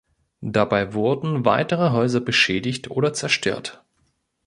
Dabei wurden weitere Häuser beschädigt oder zerstört.